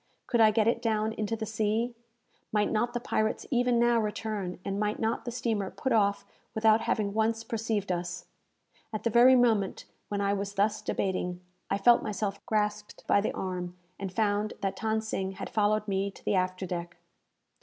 Could I get it down into the sea? Might not the pirates even now return, and might not the steamer put off without having once perceived us? At the very moment when I was thus debating, I felt myself grasped by the arm, and found that Than Sing had followed me to the after deck.